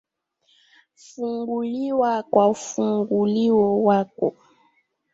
Fungulya kwa ufungulyo wako